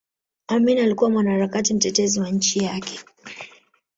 Amin alikuwa mwanaharakati mtetezi wa nchi yake